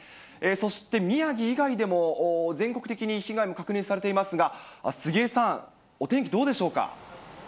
そして宮城以外でも、全国的に被害も確認されていますが、杉江さん、お天気どうでしょうか。